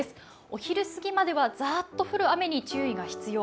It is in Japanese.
お昼過ぎまではザーッと降る雨に注意が必要。